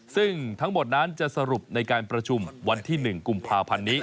ซึ่งทั้งหมดนั้นจะสรุปในการประชุมวันที่๑กุมภาพันธ์นี้